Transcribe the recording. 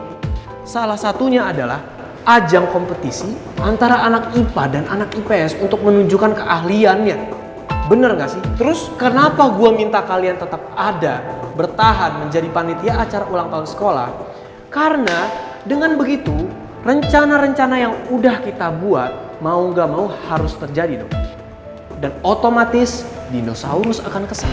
ini salah satunya adalah ajang kompetisi antara anak ipa dan anak ips untuk menunjukkan keahliannya bener nggak sih terus kenapa gua minta kalian tetap ada bertahan menjadi panitia acara ulang tahun sekolah karena dengan begitu rencana rencana yang udah kita buat mau nggak mau harus terjadi dan otomatis dinosaurus akan kesan